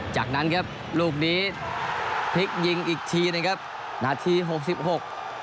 จากนั้นครับลูกนี้พลิกยิงอีกทีนะครับนาทีหกสิบหก